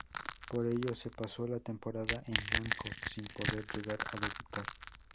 Por ello se pasó la temporada en blanco sin poder llegar a debutar.